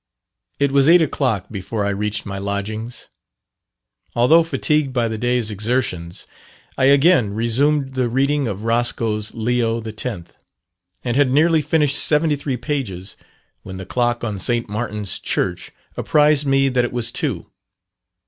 It was eight o'clock before I reached my lodgings. Although fatigued by the day's exertions, I again resumed the reading of Roscoe's "Leo X.," and had nearly finished seventy three pages, when the clock on St. Martin's Church apprised me that it was two.